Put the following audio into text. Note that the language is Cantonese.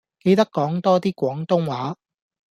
記得講多啲廣東話